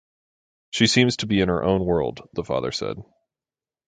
“She seems to be in her own world” the father said.